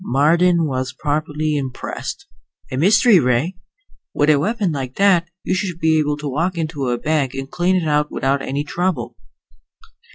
Marden was properly impressed. "A mystery ray! With a weapon like that, you should be able to walk into a bank and clean it out without any trouble."